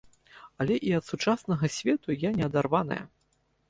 Але і ад сучаснага свету я не адарваная.